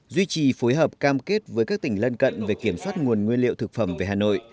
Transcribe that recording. duy trì phối hợp cam kết với các tỉnh lân cận về kiểm soát nguồn nguyên liệu thực phẩm về hà nội